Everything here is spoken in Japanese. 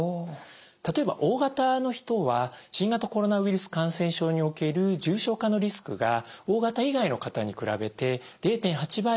例えばＯ型の人は新型コロナウイルス感染症における重症化のリスクがＯ型以外の方に比べて０．８倍。